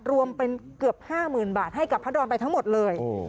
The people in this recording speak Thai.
รวมเป็นเกือบ๕๐๐๐บาทให้กับพระดอนไปทั้งหมดเลย